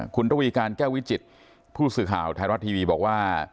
คุณระวีการแก้ววิจิตผู้สื่อข่าวไทยรัฐทีวีบอกว่า